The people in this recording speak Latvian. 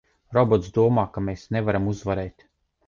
Robots domā, ka mēs nevaram uzvarēt!